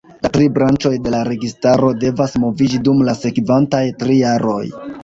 La tri branĉoj de la registaro devas moviĝi dum la sekvantaj tri jaroj.